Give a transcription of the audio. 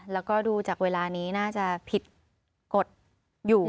แล้วก็ดูจากเวลานี้น่าจะผิดกฎอยู่